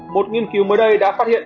một nghiên cứu mới đây đã phát hiện